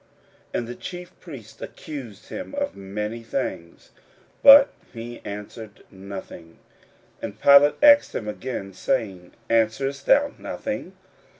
41:015:003 And the chief priests accused him of many things: but he answered nothing. 41:015:004 And Pilate asked him again, saying, Answerest thou nothing?